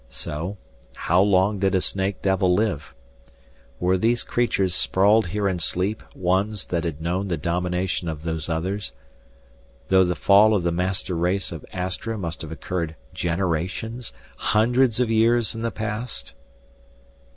So, how long did a snake devil live? Were these creatures sprawled here in sleep ones that had known the domination of Those Others though the fall of the master race of Astra must have occurred generations, hundreds of years in the past?